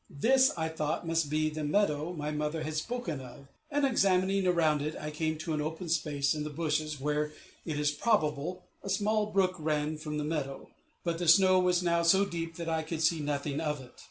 This I thought must be the meadow my mother had spoken of; and examining around it, I came to an open space in the bushes, where, it is probable, a small brook ran from the meadow; but the snow was now so deep that I could see nothing of it.